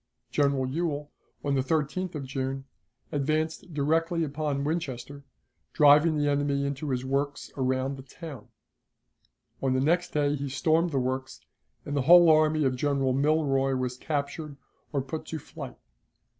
General Ewell, on the 13th of June, advanced directly upon Winchester, driving the enemy into his works around the town. On the next day he stormed the works, and the whole army of General Milroy was captured or put to flight.